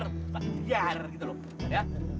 sekarang aku tahu caranya untuk mengganggu